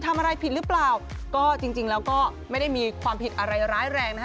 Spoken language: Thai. ทำอะไรผิดหรือเปล่าก็จริงจริงแล้วก็ไม่ได้มีความผิดอะไรร้ายแรงนะฮะ